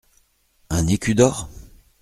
Un écu d’or ?